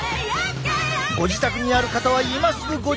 ご自宅にある方は今すぐご準備を！